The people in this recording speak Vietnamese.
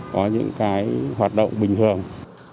có những cái hoạt động bình thường